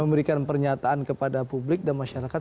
memberikan pernyataan kepada publik dan masyarakat